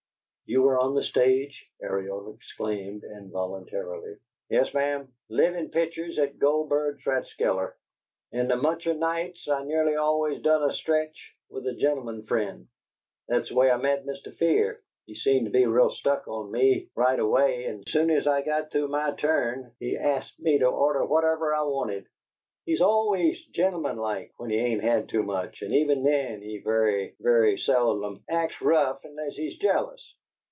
"You were on the stage?" Ariel exclaimed, involuntarily. "Yes, ma'am. Livin' pitchers at Goldberg's Rat'skeller, and amunchoor nights I nearly always done a sketch with a gen'leman friend. That's the way I met Mr. Fear; he seemed to be real struck with me right away, and soon as I got through my turn he ast me to order whatever I wanted. He's always gen'lemanlike when he ain't had too much, and even then he vurry, vurry seldom acks rough unless he's jealous.